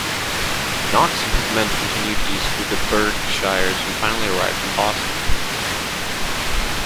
Knox and his men continued east through the Berkshires and finally arrived in Boston.